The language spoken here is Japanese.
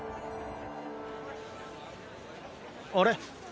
あれ？